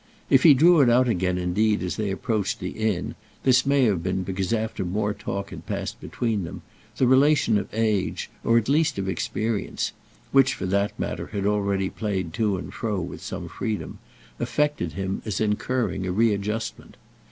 If he drew it out again indeed as they approached the inn this may have been because, after more talk had passed between them, the relation of age, or at least of experience—which, for that matter, had already played to and fro with some freedom—affected him as incurring a readjustment.